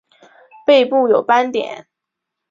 背部有斑点。